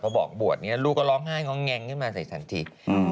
พอบอกบวชลูกก็ร้องไห้เขาแงงขึ้นมาทันที